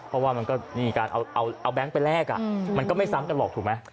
เพราะว่ามันก็นี่การเอาแบงค์ไปแลกมันก็ไม่ซ้ำกันหรอกถูกไหม